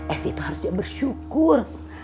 esy tuh harus bersyukur